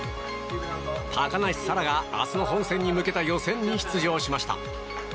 高梨沙羅が明日の本選に向けた予選に出場しました。